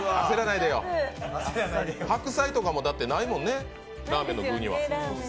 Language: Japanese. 白菜とかも、ないもんね、ラーメンの具には。